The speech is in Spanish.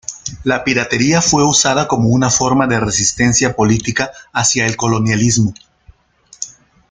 La piratería fue usada como una forma de resistencia política hacia el colonialismo.